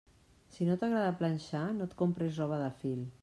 Si no t'agrada planxar, no et compris roba de fil.